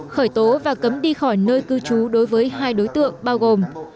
khởi tố và cấm đi khỏi nơi cư trú đối với hai đối tượng bao gồm